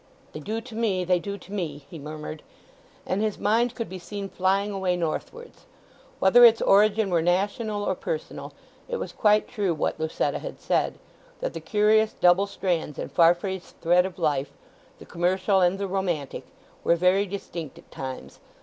"They do to me—they do to me," he murmured. And his mind could be seen flying away northwards. Whether its origin were national or personal, it was quite true what Lucetta had said, that the curious double strands in Farfrae's thread of life—the commercial and the romantic—were very distinct at times.